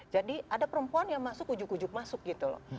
jadi ada perempuan yang masuk ujuk ujuk masuk gitu loh